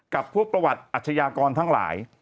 กับพวกประวัติอาชญากรทั้งหลาย